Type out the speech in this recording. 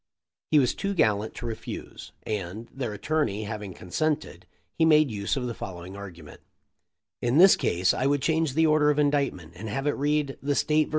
He was too gallant to refuse and, their attorney having consented, he made use of the following argument : "In this case I would change the order of indictment and have it read The State vs.